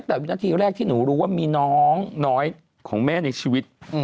แต่วินาทีแรกที่หนูรู้ว่ามีน้องน้อยของแม่ในชีวิต